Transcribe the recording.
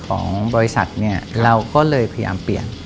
ของบริษัทเนี่ยเราก็เลยพยายามเปลี่ยน